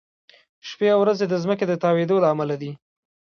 شپې او ورځې د ځمکې د تاوېدو له امله دي.